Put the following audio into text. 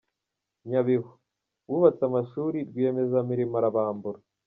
Nyabihu: Bubatse amashuri rwiyemezamirimo arabambura